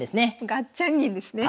ガッチャン銀ですね。